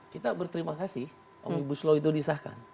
kita berterima kasih om ibu slow itu disahkan